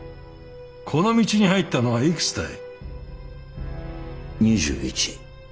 この道に入ったのはいくつだい？